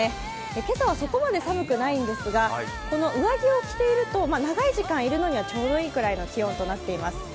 今朝はそこまで寒くないんですが上着を着ていると長い時間いるのにはちょうどいいくらいの気温となっています。